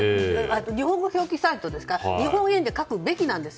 日本語表記サイトですから日本円で書くべきなんです。